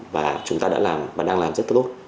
và chúng ta đã làm và đang làm rất tốt